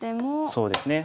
そうですね。